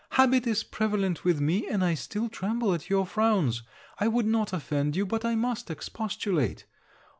Habit is prevalent with me, and I still tremble at your frowns. I would not offend you, but I must expostulate.